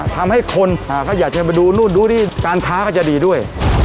ทำให้คนก็อยากจะมาดูนู่นดูนี่การค้าก็จะดีด้วย